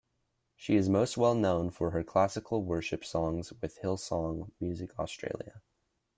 She is most well known for her classical worship songs with Hillsong Music Australia.